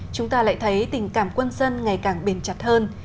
chúng ta lại thấy tình cảm quân dân ngày càng bền chặt hơn